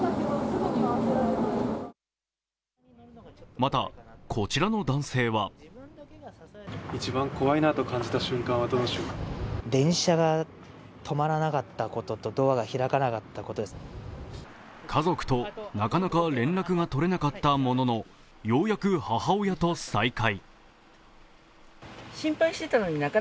また、こちらの男性は家族となかなか連絡が取れなかったもののようやく母親と再会。